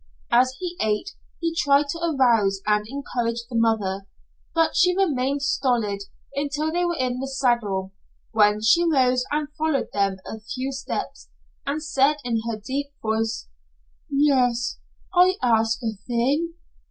As he ate, he tried to arouse and encourage the mother, but she remained stolid until they were in the saddle, when she rose and followed them a few steps, and said in her deep voice: "Yes, I ask a thing.